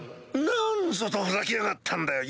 何ぞとほざきやがったんだよ！